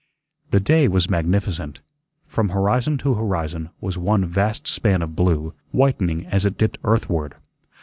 The day was magnificent. From horizon to horizon was one vast span of blue, whitening as it dipped earthward.